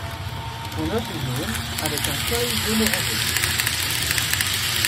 Son œuf est jaune avec un soleil jaune orangé.